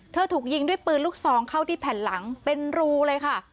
ถูกยิงด้วยปืนลูกซองเข้าที่แผ่นหลังเป็นรูเลยค่ะ